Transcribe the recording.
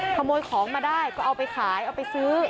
ขโมยของมาได้ก็เอาไปขายเอาไปซื้อ